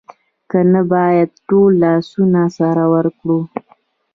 که نه باید ټول لاسونه سره ورکړو